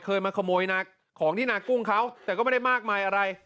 มาขโมยของที่นากุ้งเขาแต่ก็ไม่ได้มากมายอะไร